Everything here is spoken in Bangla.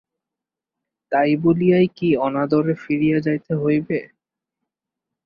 তাই বলিয়াই কি অনাদরে ফিরিয়া যাইতে হইবে?